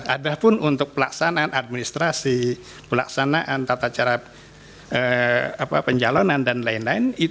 ada pun untuk pelaksanaan administrasi pelaksanaan tata cara pencalonan dan lain lain